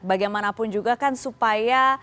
bagaimanapun juga kan supaya